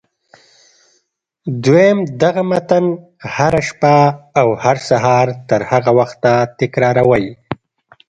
دويم دغه متن هره شپه او هر سهار تر هغه وخته تکراروئ.